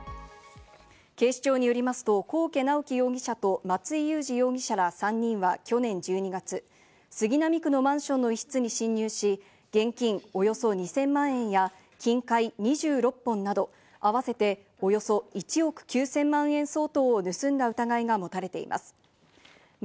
警視庁によりますと、幸家直樹容疑者と松居勇志容疑者ら３人は去年１２月、杉並区のマンションの一室に侵入し、現金およそ２０００万円や、金塊２６本など合わせて、およそ１億９０００万円相当を盗んだ疑いが持たれています。